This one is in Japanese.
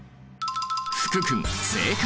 福君正解！